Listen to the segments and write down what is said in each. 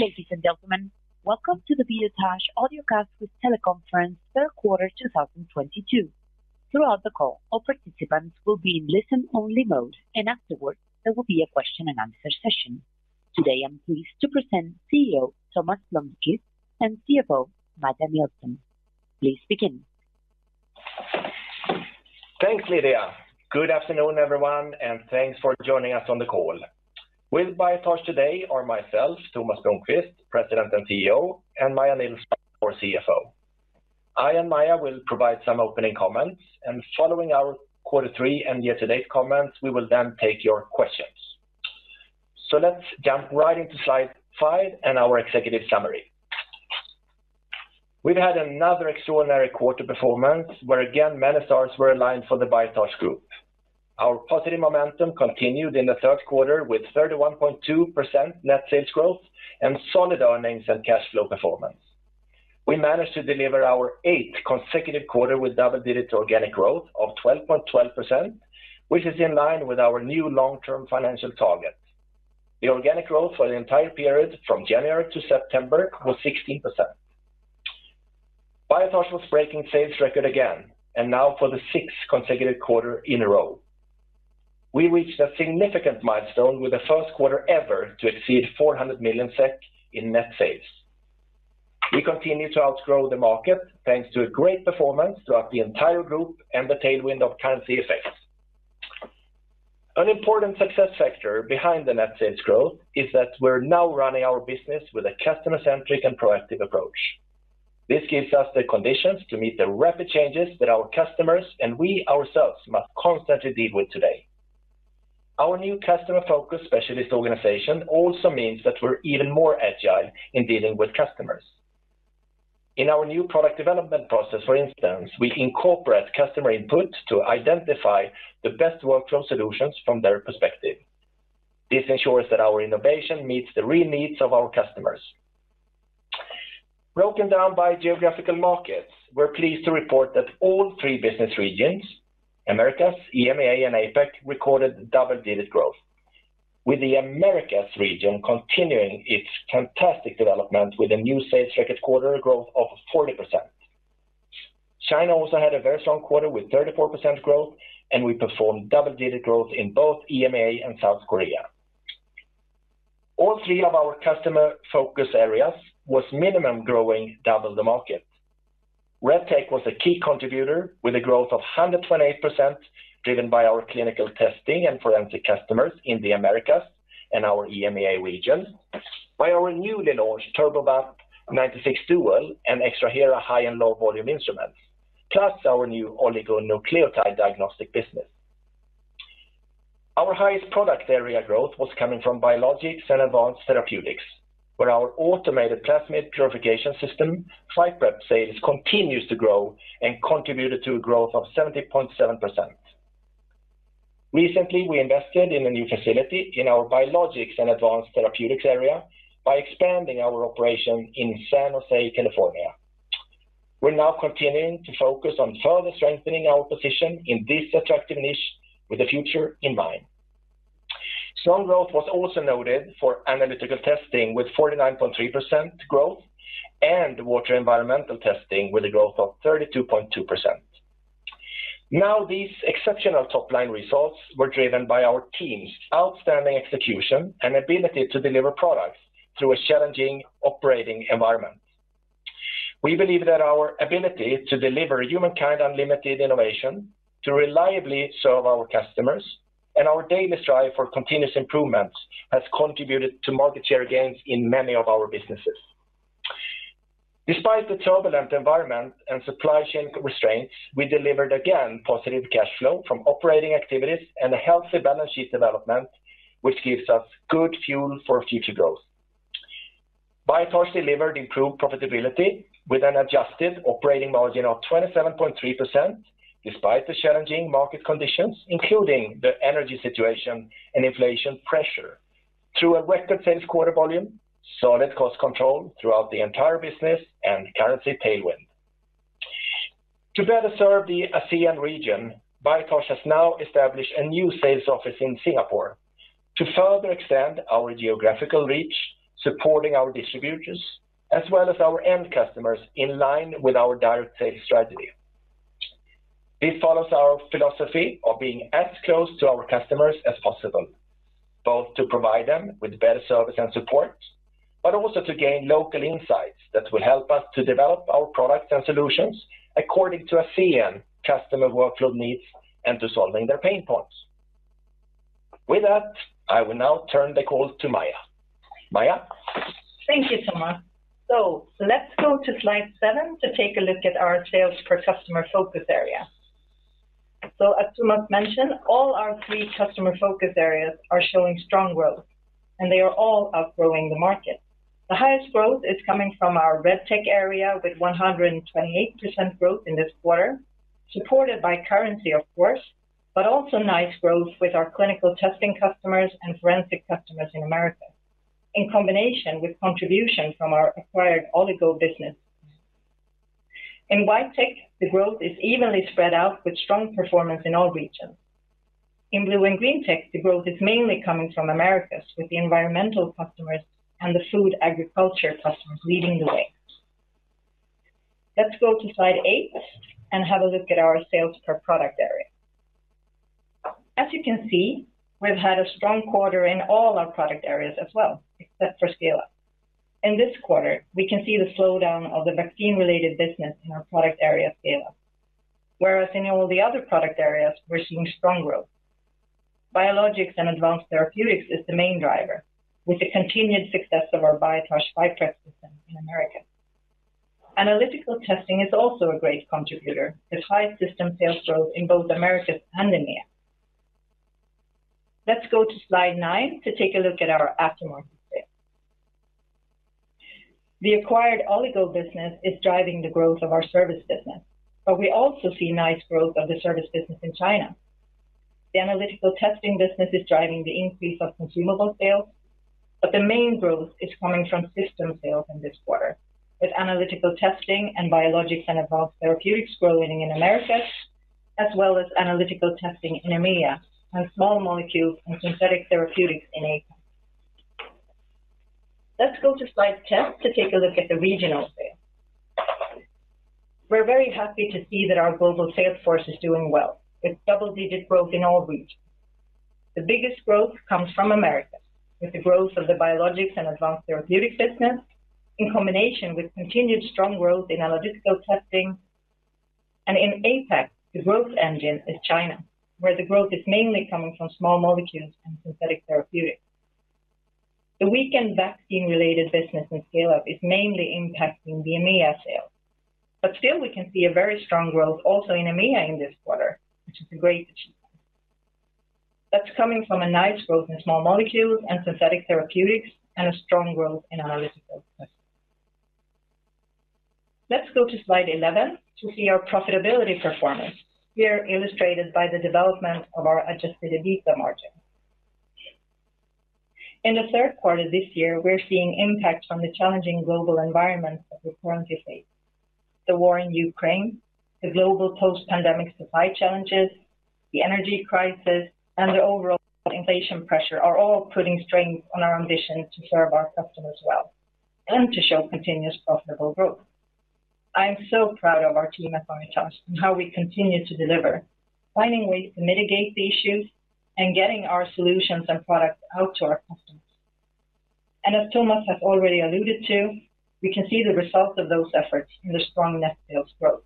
Ladies and gentlemen, welcome to the Biotage Audiocast with Teleconference Third Quarter 2022. Throughout the call, all participants will be in listen-only mode, and afterwards, there will be a question-and-answer session. Today, I'm pleased to present CEO Tomas Blomquist and CFO Maja Nilsson. Please begin. Thanks, Lydia. Good afternoon, everyone, and thanks for joining us on the call. With Biotage today are myself, Tomas Blomquist, President and CEO, and Maja Nilsson, our CFO. I and Maja will provide some opening comments, and following our quarter three and year-to-date comments, we will then take your questions. Let's jump right into slide five and our executive summary. We've had another extraordinary quarter performance where again, many stars were aligned for the Biotage Group. Our positive momentum continued in the third quarter with 31.2% net sales growth and solid earnings and cash flow performance. We managed to deliver our eighth consecutive quarter with double-digit organic growth of 12.12%, which is in line with our new long-term financial target. The organic growth for the entire period from January to September was 16%. Biotage was breaking sales record again and now for the sixth consecutive quarter in a row. We reached a significant milestone with the first quarter ever to exceed 400 million SEK in net sales. We continue to outgrow the market, thanks to a great performance throughout the entire group and the tailwind of currency effects. An important success factor behind the net sales growth is that we're now running our business with a customer-centric and proactive approach. This gives us the conditions to meet the rapid changes that our customers and we ourselves must constantly deal with today. Our new customer focus specialist organization also means that we're even more agile in dealing with customers. In our new product development process, for instance, we incorporate customer input to identify the best workflow solutions from their perspective. This ensures that our innovation meets the real needs of our customers. Broken down by geographical markets, we're pleased to report that all three business regions, Americas, EMEA, and APAC, recorded double-digit growth, with the Americas region continuing its fantastic development with a new sales record quarter growth of 40%. China also had a very strong quarter with 34% growth, and we performed double-digit growth in both EMEA and South Korea. All three of our customer focus areas was minimum growing double the market. Red Tech was a key contributor with a growth of 128%, driven by our clinical testing and forensic customers in the Americas and our EMEA region. By our newly launched TurboVap 96 Dual and Extrahera high and low volume instruments, plus our new oligonucleotide diagnostic business. Our highest product area growth was coming from biologics and advanced therapeutics, where our automated plasmid purification system, PhyPrep sales continues to grow and contributed to a growth of 70.7%. Recently, we invested in a new facility in our biologics and advanced therapeutics area by expanding our operation in San Jose, California. We're now continuing to focus on further strengthening our position in this attractive niche with the future in mind. Strong growth was also noted for Analytical Testing with 49.3% growth and water environmental testing with a growth of 32.2%. Now, these exceptional top-line results were driven by our team's outstanding execution and ability to deliver products through a challenging operating environment. We believe that our ability to deliver humankind unlimited innovation to reliably serve our customers and our daily strive for continuous improvements has contributed to market share gains in many of our businesses. Despite the turbulent environment and supply chain constraints, we delivered again positive cash flow from operating activities and a healthy balance sheet development, which gives us good fuel for future growth. Biotage delivered improved profitability with an adjusted operating margin of 27.3% despite the challenging market conditions, including the energy situation and inflation pressure through a record sales quarter volume, solid cost control throughout the entire business, and currency tailwind. To better serve the ASEAN region, Biotage has now established a new sales office in Singapore to further extend our geographical reach, supporting our distributors, as well as our end customers in line with our direct sales strategy. This follows our philosophy of being as close to our customers as possible, both to provide them with better service and support, but also to gain local insights that will help us to develop our products and solutions according to ASEAN customer workload needs and to solving their pain points. With that, I will now turn the call to Maja. Maja? Thank you, Tomas. Let's go to slide seven to take a look at our sales per customer-focus area. As Tomas mentioned, all our three customer-focus areas are showing strong growth, and they are all outgrowing the market. The highest growth is coming from our Red Tech-area with 128% growth in this quarter, supported by currency, of course, but also nice growth with our clinical testing customers and forensic customers in America. In combination with contribution from our acquired oligo business. In White Tech, the growth is evenly spread out with strong performance in all regions. In Blue and Green Tech, the growth is mainly coming from Americas with the environmental customers and the food agriculture customers leading the way. Let's go to slide eight and have a look at our sales per product area. As you can see, we've had a strong quarter in all our product areas as well, except for scale-up. In this quarter, we can see the slowdown of the vaccine-related business in our product area scale-up. Whereas in all the other product areas, we're seeing strong growth. Biologics & Advanced Therapeutics is the main driver, with the continued success of our Biotage PhyPrep system in America. Analytical testing is also a great contributor, with high system sales growth in both Americas and EMEA. Let's go to slide nine to take a look at our aftermarket sales. The acquired oligo business is driving the growth of our service business, but we also see nice growth of the service business in China. The Analytical Testing business is driving the increase of consumable sales, but the main growth is coming from system sales in this quarter, with Analytical Testing and Biologics & Advanced Therapeutics growing in Americas, as well as Analytical Testing in EMEA, and Small Molecules and Synthetic Therapeutics in APAC. Let's go to slide 10 to take a look at the regional sales. We're very happy to see that our global sales force is doing well, with double-digit growth in all regions. The biggest growth comes from America, with the growth of the Biologics & Advanced Therapeutics business, in combination with continued strong growth in Analytical Testing. In APAC, the growth engine is China, where the growth is mainly coming from Small Molecules and Synthetic Therapeutics. The weakened vaccine-related business in scale-up is mainly impacting the EMEA sales. Still, we can see a very strong growth also in EMEA in this quarter, which is a great achievement. That's coming from a nice growth in Small Molecules and Synthetic Therapeutics, and a strong growth in Analytical Testing. Let's go to slide 11 to see our profitability performance, here illustrated by the development of our adjusted EBITDA margin. In the third quarter this year, we're seeing impact from the challenging global environment of the currency rates. The war in Ukraine, the global post-pandemic supply challenges, the energy crisis, and the overall inflation pressure are all putting strain on our ambition to serve our customers well and to show continuous profitable growth. I'm so proud of our team at Biotage and how we continue to deliver, finding ways to mitigate the issues and getting our solutions and products out to our customers. As Tomas has already alluded to, we can see the results of those efforts in the strong net sales growth.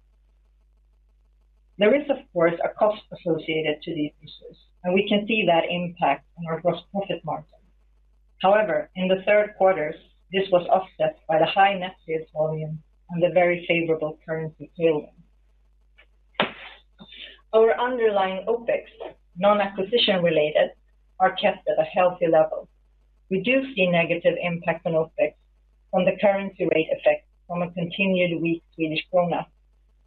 There is, of course, a cost associated to these issues, and we can see that impact on our gross profit margin. However, in the third quarter, this was offset by the high net sales volume and the very favorable currency tailwind. Our underlying OpEx, non-acquisition related, are kept at a healthy level. We do see negative impact on OpEx on the currency rate effect from a continued weak Swedish krona,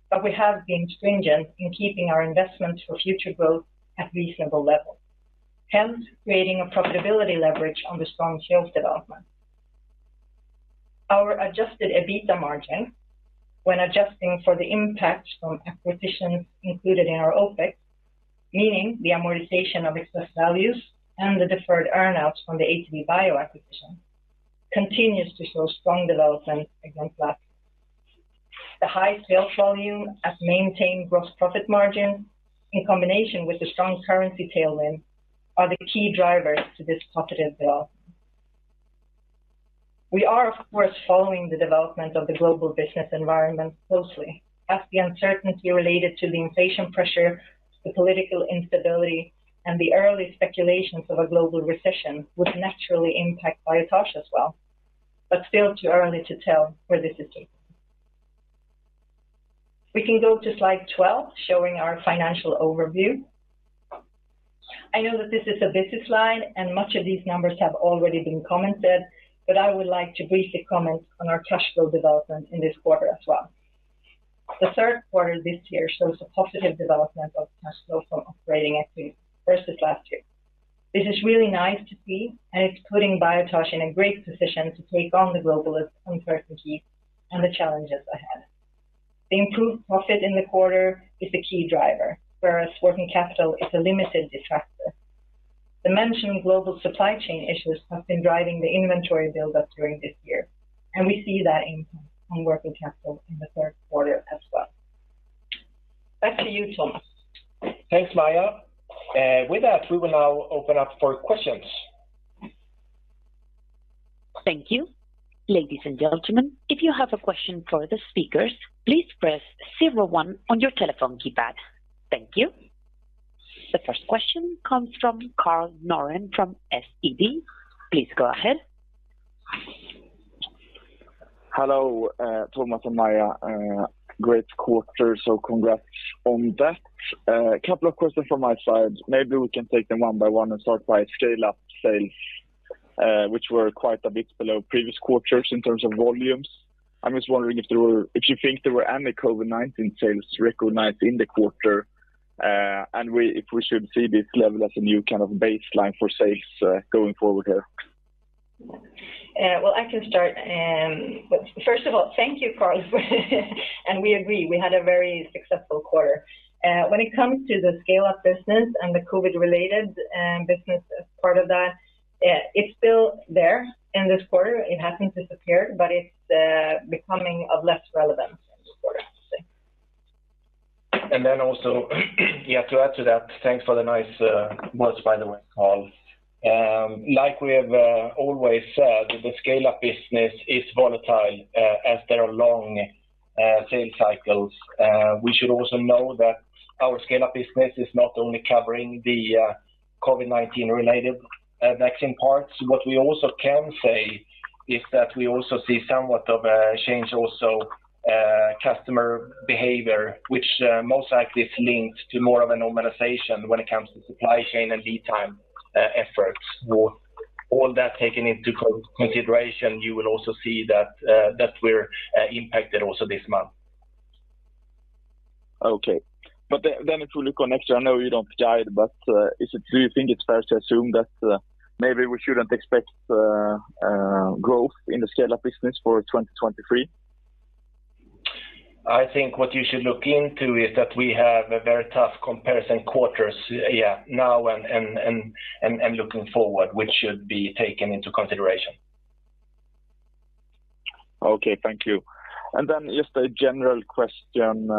but we have been stringent in keeping our investments for future growth at reasonable level, hence creating a profitability leverage on the strong sales development. Our adjusted EBITDA margin, when adjusting for the impact from acquisitions included in our OpEx, meaning the amortization of excess values and the deferred earn-outs from the Astrea Bioseparations acquisition, continues to show strong development against last year. The high sales volume at maintained gross profit margin, in combination with the strong currency tailwind, are the key drivers to this positive development. We are, of course, following the development of the global business environment closely, as the uncertainty related to the inflation pressure, the political instability, and the early speculations of a global recession would naturally impact Biotage as well, but still too early to tell where this is taking us. We can go to slide 12, showing our financial overview. I know that this is a business line, and much of these numbers have already been commented, but I would like to briefly comment on our cash flow development in this quarter as well. The third quarter this year shows a positive development of cash flow from operating activities versus last year. This is really nice to see, and it's putting Biotage in a great position to take on the global uncertainty and the challenges ahead. The improved profit in the quarter is the key driver, whereas working capital is a limited detractor. The mentioned global supply chain issues have been driving the inventory build-up during this year, and we see that impact on working capital in the third quarter as well. Back to you, Tomas. Thanks, Maja. With that, we will now open up for questions. Thank you. Ladies and gentlemen, if you have a question for the speakers, please press zero-one on your telephone keypad. Thank you. The first question comes from Karl Norén from SEB. Please go ahead. Hello, Tomas and Maja. Great quarter, so congrats on that. A couple of questions from my side. Maybe we can take them one by one and start by scale-up sales, which were quite a bit below previous quarters in terms of volumes. I'm just wondering if you think there were any COVID-19 sales recognized in the quarter, and if we should see this level as a new kind of baseline for sales going forward here. Well, I can start. First of all, thank you, Karl. We agree, we had a very successful quarter. When it comes to the scale-up business and the COVID-related business as part of that, it's still there in this quarter. It hasn't disappeared, but it's becoming of less relevance in this quarter, I would say. To add to that, thanks for the nice words by the way, Karl. Like we have always said, the sales of business is volatile, as there are long sales cycles. We should also know that our sales of business is not only covering the COVID-19 related vaccine parts. What we also can say is that we also see somewhat of a change in customer behavior, which most likely is linked to more of a normalization when it comes to supply chain and lead time efforts. With all that taken into consideration, you will also see that we're impacted also this month. Okay. If we look at next year, I know you don't guide, but do you think it's fair to assume that maybe we shouldn't expect growth in the scale of business for 2023? I think what you should look into is that we have a very tough comparison quarters, yeah, now and looking forward, which should be taken into consideration. Okay, thank you. Then just a general question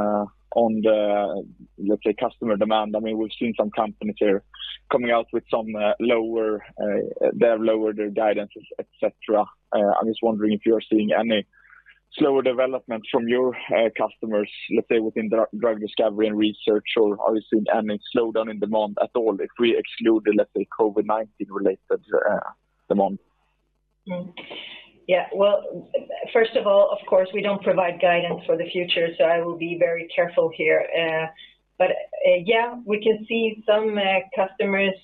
on the, let's say, customer demand. I mean, we've seen some companies are coming out with some lower, they have lowered their guidances, et cetera. I'm just wondering if you're seeing any slower development from your customers, let's say, within drug discovery and research, or are you seeing any slowdown in demand at all if we exclude the, let's say, COVID-19 related demand? Well, first of all, of course, we don't provide guidance for the future, so I will be very careful here. Yeah, we can see some customers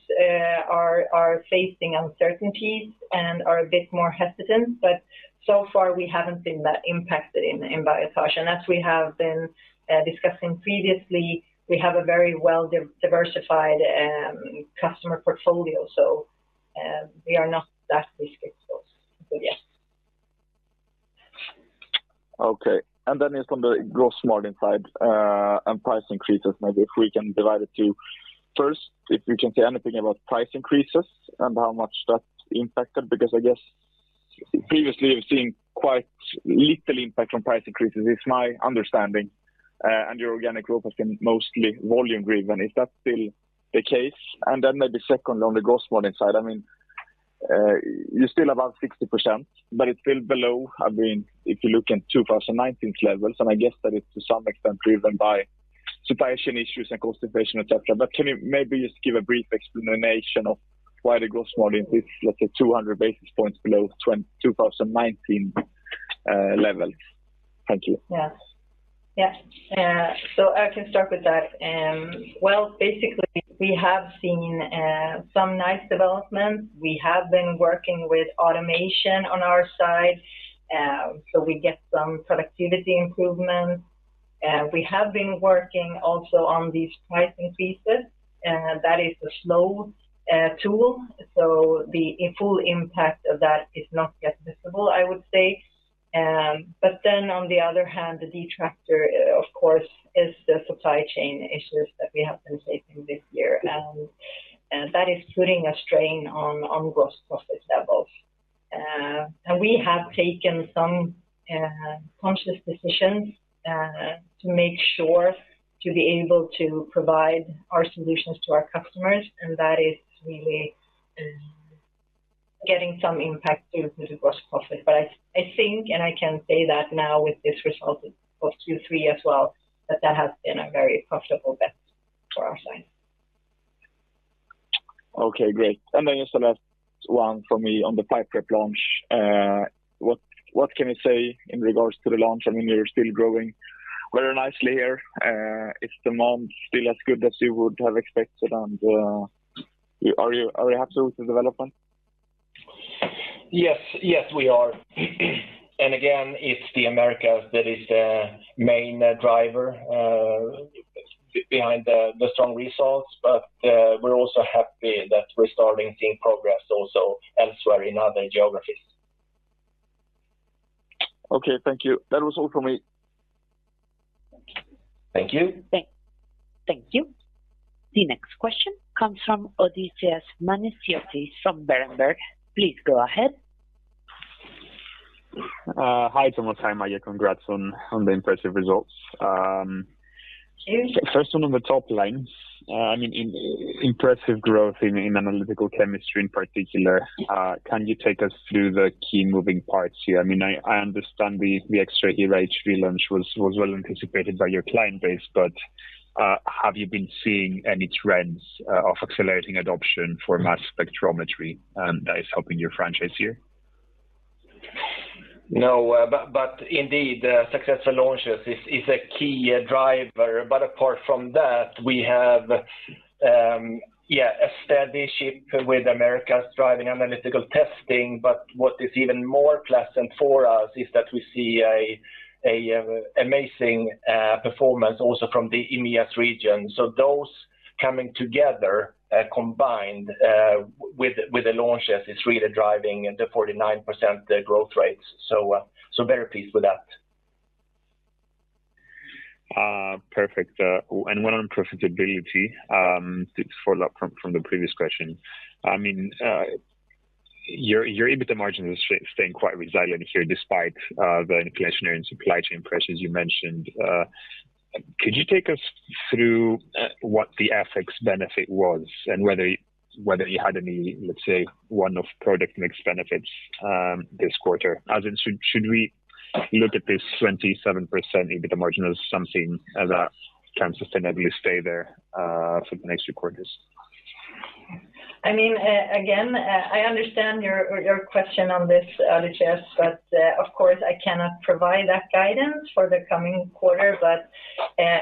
are facing uncertainties and are a bit more hesitant, but so far we haven't been that impacted in Biotage. As we have been discussing previously, we have a very well diversified customer portfolio. We are not that risk-exposed. Yes. Okay. Just on the gross margin side, and price increases, First, if you can say anything about price increases and how much that's impacted, because I guess previously you've seen quite little impact from price increases. It's my understanding, and your organic growth has been mostly volume driven. Is that still the case? Maybe secondly, on the gross margin side, I mean, you're still above 60%, but it's still below, I mean, if you look at 2019 levels, and I guess that it's to some extent driven by supply chain issues and cost inflation, et cetera. But can you maybe just give a brief explanation of why the gross margin is, let's say, 200 basis points below 2019 level? Thank you. Yeah. I can start with that. Well, basically we have seen some nice developments. We have been working with automation on our side, so we get some productivity improvements. We have been working also on these pricing pieces, that is a slow tool. The full impact of that is not yet visible, I would say. On the other hand, the detractor, of course, is the supply chain issues that we have been facing this year. That is putting a strain on gross profit levels. We have taken some conscious decisions to make sure to be able to provide our solutions to our customers, and that is really getting some impact to the gross profit. I think, and I can say that now with this result of Q3 as well, that has been a very profitable bet for our side. Okay, great. Just the last one for me on the PhyPrep launch. What can you say in regards to the launch? I mean, you're still growing very nicely here. Is demand still as good as you would have expected? Are you happy with the development? Yes. Yes, we are. Again, it's the Americas that is the main driver behind the strong results. We're also happy that we're starting seeing progress also elsewhere in other geographies. Okay, thank you. That was all for me. Thank you. Thank you. The next question comes from Odysseas Manesiotis from Berenberg. Please go ahead. Hi, Tomas. Hi, Maja. Congrats on the impressive results. First one on the top-line, I mean, impressive growth in analytical chemistry in particular. Can you take us through the key moving parts here? I mean, I understand the Extrahera relaunch was well anticipated by your client base, but have you been seeing any trends of accelerating adoption for mass spectrometry, and that is helping your franchise here? No, but indeed, successful launches is a key driver. Apart from that, we have a steady ship with Americas driving Analytical Testing. What is even more pleasant for us is that we see a amazing performance also from the EMEA region. Those coming together, combined with the launches is really driving the 49% growth rates. Very pleased with that. Perfect. One on profitability, just follow-up from the previous question. I mean, your EBITDA margin is staying quite resilient here despite the inflationary and supply chain pressures you mentioned. Could you take us through what the FX benefit was and whether you had any, let's say, one-off product mix benefits this quarter? As in, should we look at this 27% EBITDA margin as something that can sustainably stay there for the next few quarters? I mean, I understand your question on this, Odysseas, but of course, I cannot provide that guidance for the coming quarter.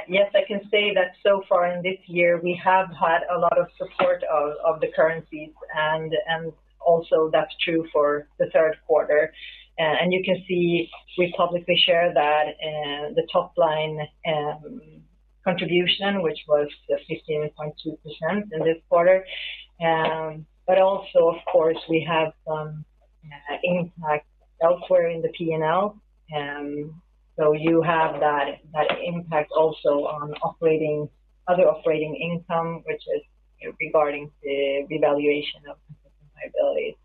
Yes, I can say that so far in this year, we have had a lot of support of the currencies and also that's true for the third quarter. You can see we publicly share that the top line contribution, which was the 15.2% in this quarter. Also of course, we have some impact elsewhere in the P&L. You have that impact also on other operating income, which is regarding the revaluation of liability.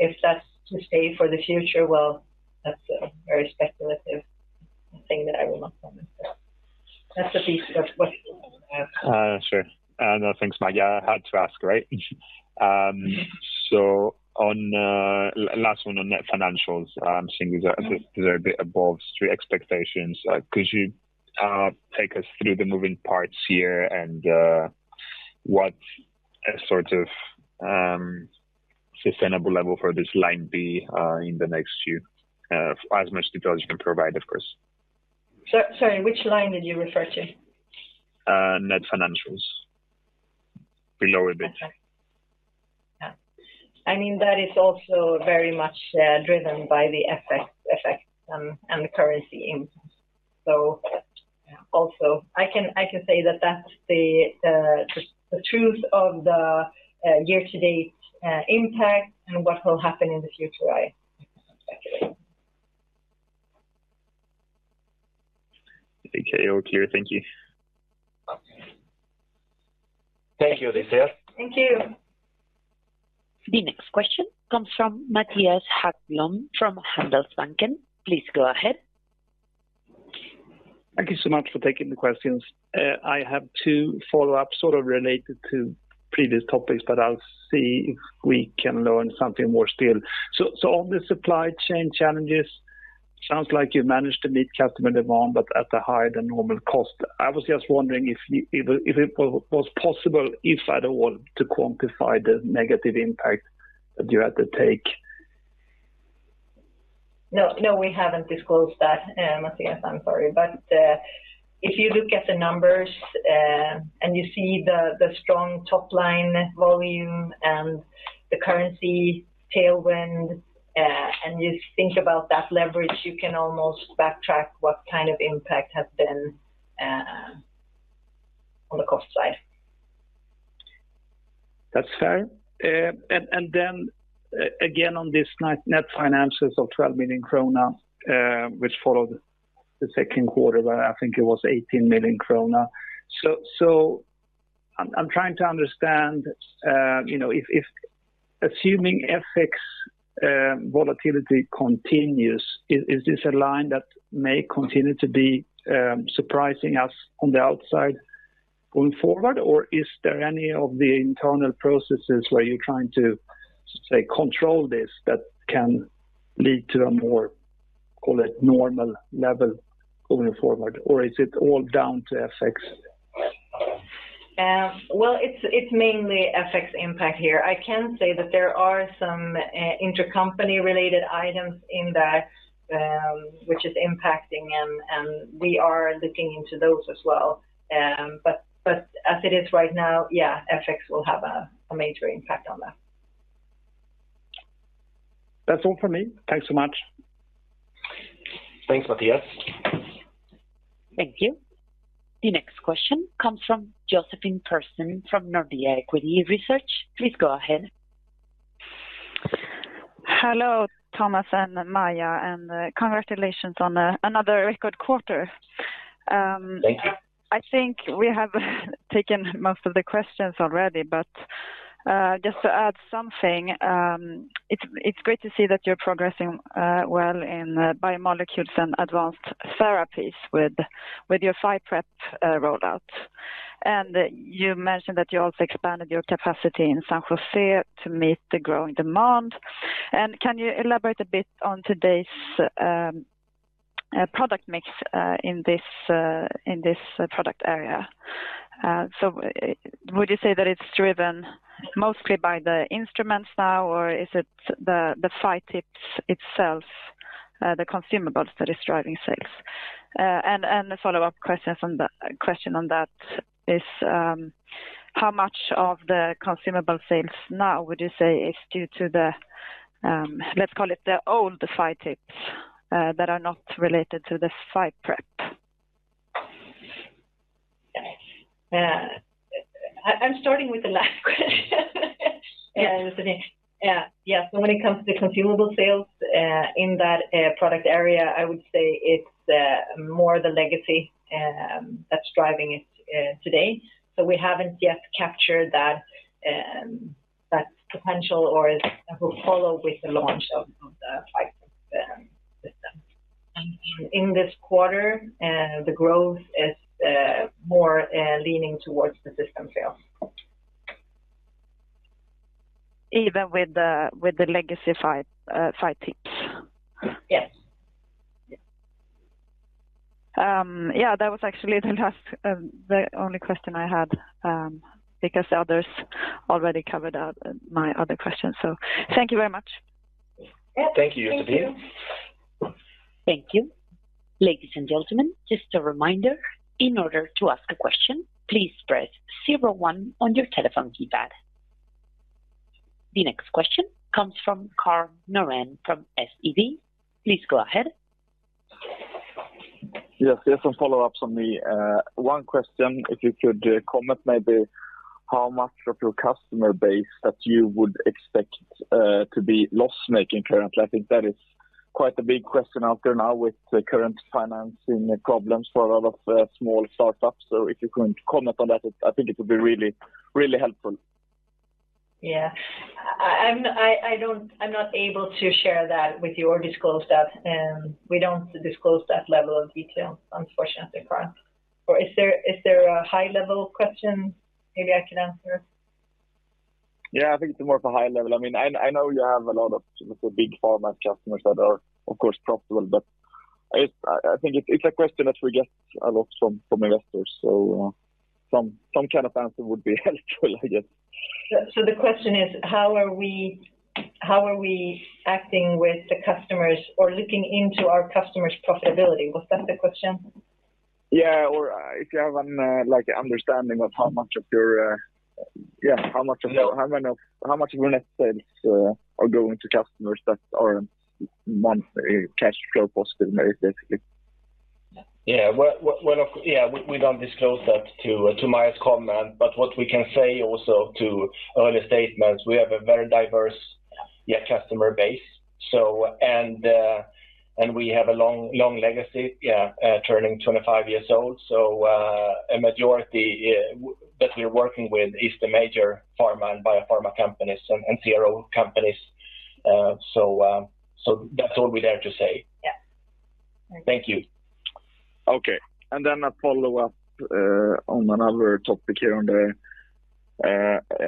If that's to stay for the future, well, that's a very speculative thing that I will not comment on. That's the piece of what you want to ask. Sure. No thanks, Maja. I had to ask, right? On last one on net financials, I'm seeing these are a bit above street expectations. Could you take us through the moving parts here and what sort of sustainable level for this line be in the next few as much detail as you can provide, of course? Sorry, which line did you refer to? Net financials below EBITDA. Okay. Yeah. I mean, that is also very much driven by the FX effect and the currency impact. Also I can say that that's the truth of the year-to-date impact and what will happen in the future, I speculate. Okay. All clear. Thank you. Okay. Thank you, Odysseas. Thank you. The next question comes from Mattias Häggblom from Handelsbanken. Please go ahead. Thank you so much for taking the questions. I have two follow-ups sort of related to previous topics, but I'll see if we can learn something more still. On the supply chain challenges, sounds like you've managed to meet customer demand, but at a higher than normal cost. I was just wondering if it was possible, if at all, to quantify the negative impact that you had to take? No, no, we haven't disclosed that, Mattias, I'm sorry. If you look at the numbers, and you see the strong top line volume and the currency tailwind, and you think about that leverage, you can almost backtrack what kind of impact has been on the cost side. That's fair. On this net finances of 12 million krona, which followed the second quarter where I think it was 18 million krona. I'm trying to understand, you know, if assuming FX volatility continues, is this a line that may continue to be surprising us on the outside going forward? Or is there any of the internal processes where you're trying to, say, control this that can lead to a more, call it normal level going forward? Or is it all down to FX? Well, it's mainly FX impact here. I can say that there are some intercompany related items in that, which is impacting, and we are looking into those as well. As it is right now, yeah, FX will have a major impact on that. That's all for me. Thanks so much. Thanks, Mattias. Thank you. The next question comes from Josefine Persson from Nordea Equity Research. Please go ahead. Hello, Tomas and Maja, and congratulations on another record quarter. Thank you. I think we have taken most of the questions already. Just to add something, it's great to see that you're progressing well in biomolecules and advanced therapies with your PhyPrep rollout. You mentioned that you also expanded your capacity in San Jose to meet the growing demand. Can you elaborate a bit on today's product mix in this product area? So would you say that it's driven mostly by the instruments now, or is it the PhyTips itself, the consumables that is driving sales? And the follow-up question on that is, how much of the consumable sales now would you say is due to the, let's call it the old PhyTips, that are not related to the PhyPrep? I'm starting with the last question. Yes. When it comes to the consumable sales in that product area, I would say it's more the legacy that's driving it today. We haven't yet captured that potential that will follow with the launch of the PhyPrep system. In this quarter, the growth is more leaning towards the system sales. Even with the legacy PhyTips? Yes. Yeah, that was actually the only question I had, because others already covered my other questions. Thank you very much. Yeah. Thank you. Thank you. Ladies and gentlemen, just a reminder, in order to ask a question, please press zero one on your telephone keypad. The next question comes from Karl Norén from SEB. Please go ahead. Yes. Just some follow-ups on the one question, if you could comment maybe how much of your customer base that you would expect to be loss-making currently. I think that is quite a big question out there now with the current financing problems for a lot of small startups. If you can comment on that, I think it would be really, really helpful. Yeah. I'm not able to share that with you or disclose that. We don't disclose that level of detail, unfortunately, currently. Is there a high-level question maybe I can answer? Yeah, I think it's more of a high-level. I mean, I know you have a lot of the big pharma customers that are of course profitable. I think it's a question that we get a lot from investors. Some kind of answer would be helpful, I guess. The question is how are we acting with the customers or looking into our customers' profitability? Was that the question? Yeah. If you have an, like, understanding of how much of your No. How much of your net sales are going to customers that are monthly cash flow positive, very basically? We don't disclose that to Maja's comment. What we can say also to early statements, we have a very diverse customer base. We have a long legacy turning 25 years old. A majority that we're working with is the major pharma and biopharma companies and CRO companies. That's all we dare to say. Yeah. Thank you. Okay. A follow-up on another topic here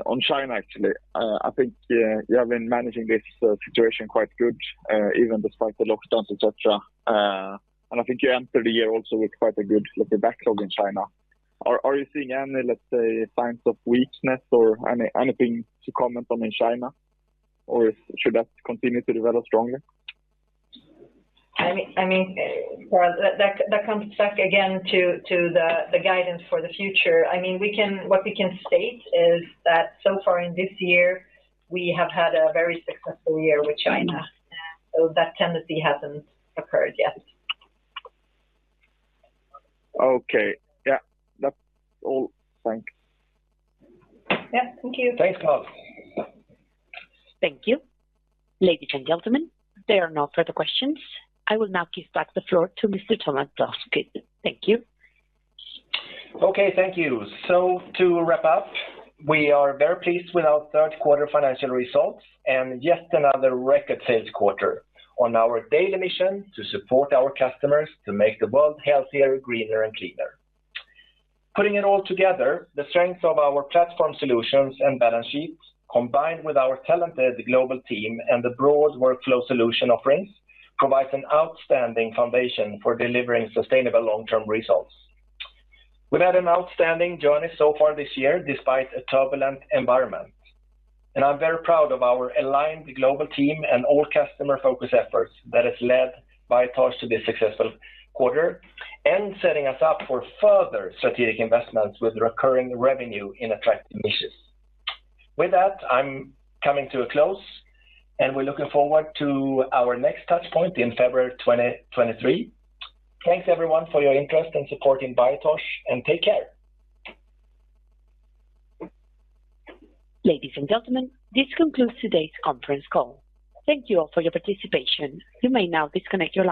on China, actually. I think you have been managing this situation quite good, even despite the lockdowns, et cetera. I think you entered the year also with quite a good, like, a backlog in China. Are you seeing any, let's say, signs of weakness or anything to comment on in China? Or should that continue to develop strongly? I mean, well, that comes back again to the guidance for the future. I mean, what we can state is that so far in this year, we have had a very successful year with China. That tendency hasn't occurred yet. Okay. Yeah. That's all. Thanks. Yeah. Thank you. Thanks, Karl. Thank you. Ladies and gentlemen, there are no further questions. I will now give back the floor to Mr. Tomas Blomquist. Thank you. Okay, thank you. To wrap up, we are very pleased with our third quarter financial results and yet another record sales quarter on our daily mission to support our customers to make the world healthier, greener and cleaner. Putting it all together, the strength of our platform solutions and balance sheets, combined with our talented global team and the broad workflow solution offerings, provides an outstanding foundation for delivering sustainable long-term results. We've had an outstanding journey so far this year, despite a turbulent environment, and I'm very proud of our aligned global team and all customer focus efforts that has led Biotage to this successful quarter and setting us up for further strategic investments with recurring revenue in attractive niches. With that, I'm coming to a close, and we're looking forward to our next touch point in February 2023. Thanks everyone for your interest in supporting Biotage, and take care. Ladies and gentlemen, this concludes today's conference call. Thank you all for your participation. You may now disconnect your lines.